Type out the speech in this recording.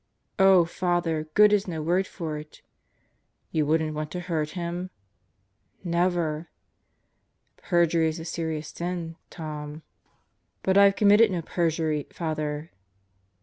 "Oh, Father! Good is no word for it." "You wouldn't want to hurt Him?" "Never!" "Perjury is a serious sin, Tom." "But I've committed no perjury, Father."